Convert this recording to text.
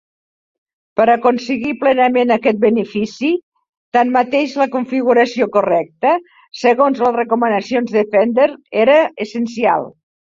Per aconseguir plenament aquest benefici, tanmateix, la configuració correcta, segons les recomanacions de Fender, era essencial.